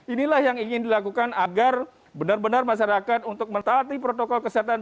inilah yang ingin dilakukan agar benar benar masyarakat untuk mentaati protokol kesehatan